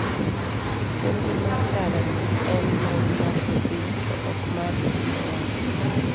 chenro mar ndara no en mana mar jopiny to ok mar piny owacho.